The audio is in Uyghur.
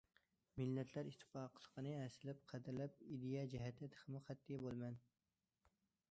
مىللەتلەر ئىتتىپاقلىقىنى ھەسسىلەپ قەدىرلەپ، ئىدىيە جەھەتتە تېخىمۇ قەتئىي بولىمەن.